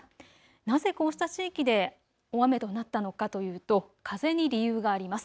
なぜこうした地域で大雨となったのかというと風に理由があります。